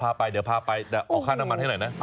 พาไปเดี๋ยวพาไปแต่ออกค่าน้ำมันให้หน่อยนะ